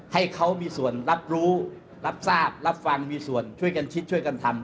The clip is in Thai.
ให้เขามีส่วนรับรู้รับทราบรับฟังมีส่วนช่วยกันคิดช่วยกันทำ